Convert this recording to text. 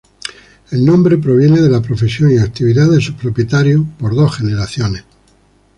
El nombre proviene de la profesión y actividad de sus propietarios por dos generaciones.